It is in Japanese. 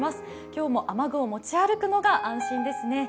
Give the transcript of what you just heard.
今日も雨具を持ち歩くのが安心ですね。